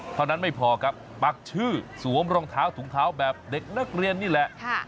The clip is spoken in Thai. เท่านั้นไม่พอครับปักชื่อสวมรองเท้าถุงเท้าแบบเด็กนักเรียนนี่แหละ